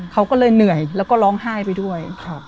เขาก็เลยเหนื่อยแล้วก็ร้องไห้ไปด้วย